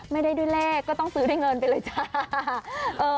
ไม่ได้ได้แรกก็ต้องซื้อให้เงินไปเลยเสีย